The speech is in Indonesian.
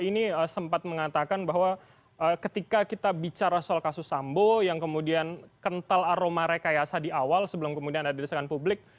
ini sempat mengatakan bahwa ketika kita bicara soal kasus sambo yang kemudian kental aroma rekayasa di awal sebelum kemudian ada di desakan publik